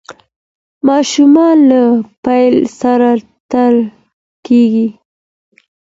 ماشومان له پیل سره تړل کېږي.